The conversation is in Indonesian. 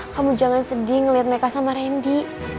kamu jangan sedih ngeliat mereka sama randy